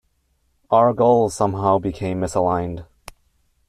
Our goals somehow became misaligned.